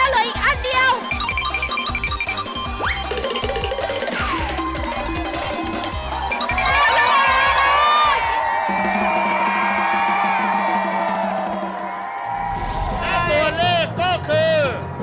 ได้ส่วนเรื่องก็คือ